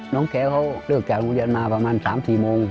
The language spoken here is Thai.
น้องแคร์เขาเลิกจากโรงเรียนมาประมาณ๓๔โมง